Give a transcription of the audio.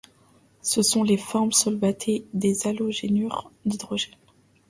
Ce sont les formes solvatées des halogénures d'hydrogène.